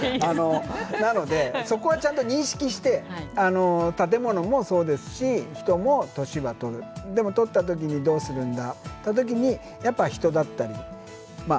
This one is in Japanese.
なのでそこはちゃんと認識して建物もそうですし人も年は取るでもとった時にどうするんだといった時にやっぱ人だったりまあ